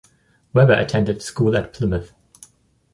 Webber attended school at Plymouth.